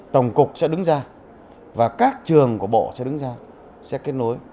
tổng cục sẽ đứng ra và các trường của bộ sẽ đứng ra sẽ kết nối